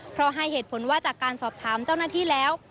เพราะให้เหตุผลว่าจากการสอบถามเจ้าหน้าที่แล้ว